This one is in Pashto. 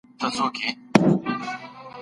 دا نظم د الله نښه ده.